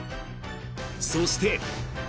そして。